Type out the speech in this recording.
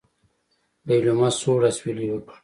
ليلما سوړ اسوېلی وکړ.